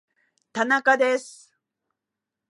田中です